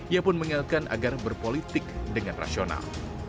ia pun mengingatkan agar berpolitik dengan rasional